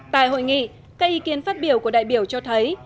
tại hội nghị các ý kiến phát biểu của đại biểu cho thấy